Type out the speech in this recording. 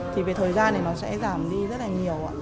thì về thời gian này nó sẽ giảm đi rất là nhiều